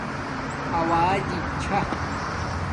اݸجی چھݳ